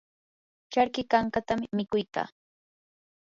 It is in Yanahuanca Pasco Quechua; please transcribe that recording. charki kankatam mikuy kaa.